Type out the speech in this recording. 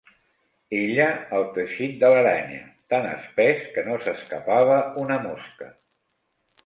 Ella el teixit de l'aranya, tant espès, que no s'escapava una mosca.